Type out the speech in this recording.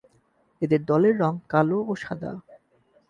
এদের দলের রং কালো ও সাদা।